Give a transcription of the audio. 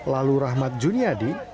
lalu rahmat juniadi